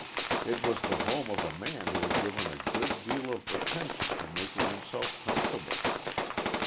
It was the home of a man who had given a good deal of attention to making himself comfortable.